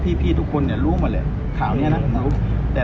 คุณพี่ตะเนื้อข่าว